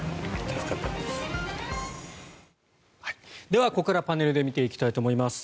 では、ここからパネルで見ていきたいと思います。